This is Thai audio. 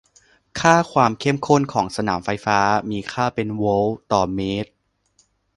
ค่าความเข้มข้นของสนามไฟฟ้ามีค่าเป็นโวลต์ต่อเมตร